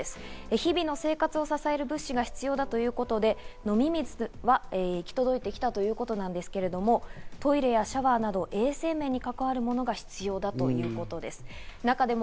日々の生活を支える物資が必要だということで、飲み水は行き届いてきたということですが、トイレやシャワーなど、衛生面に関わるものが必要だということです。